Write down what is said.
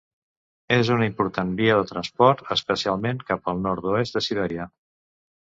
És una important via de transport, especialment cap al nord-oest de Sibèria.